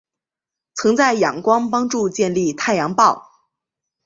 曾在仰光帮助建立太阳报。